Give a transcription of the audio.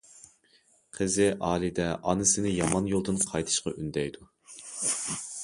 قىزى ئالىدە ئانىسىنى يامان يولدىن قايتىشقا ئۈندەيدۇ.